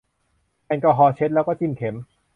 แอลกอฮอล์เช็ดแล้วก็จิ้มเข็ม